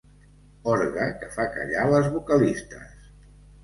Orgue que fa callar les vocalistes.